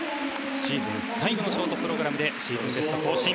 シーズン最後のショートプログラムでシーズンベスト更新。